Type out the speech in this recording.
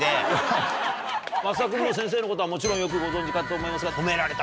増田君も先生のことはもちろんよくご存じかと思いますが。